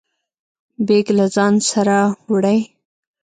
بیګ له ځانه سره وړئ؟